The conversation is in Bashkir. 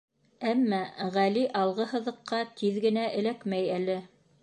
Әммә Ғәли алғы һыҙыҡҡа тиҙ генә эләкмәй әле.